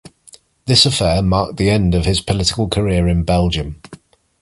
This affair marked the end of his political career in Belgium.